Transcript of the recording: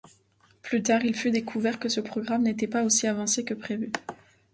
Plus tard, il fut découvert que ce programme n'était pas aussi avancé que prévu.